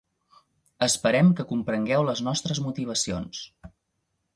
Esperem que comprengueu les nostres motivacions.